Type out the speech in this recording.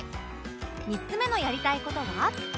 ３つ目のやりたい事は